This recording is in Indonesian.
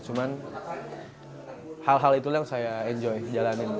cuma hal hal itulah yang saya enjoy jalanin